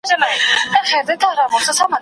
معلومه نه ده چي بوډا ته یې دی غوږ نیولی